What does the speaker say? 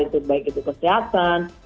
itu baik itu kesehatan